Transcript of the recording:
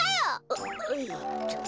あっえっと。